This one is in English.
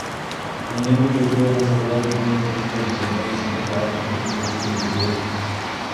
When an individual has a well demeanored appearance it makes interaction between people easier.